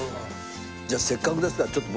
じゃあせっかくですからちょっと。